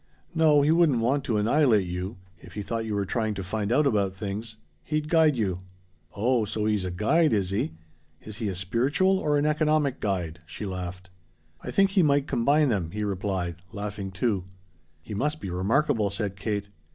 "No, he wouldn't want to annihilate you, if he thought you were trying to find out about things. He'd guide you." "Oh so he's a guide, is he? Is he a spiritual or an economic guide?" she laughed. "I think he might combine them," he replied, laughing too. "He must be remarkable," said Kate.